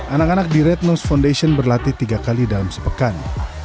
anak anak di red nose foundation berlatih tiga kali dalam sepekan